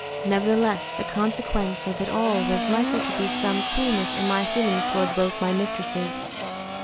Nevertheless, the consequence of it all was likely to be some coolness in my feelings towards both my mistresses.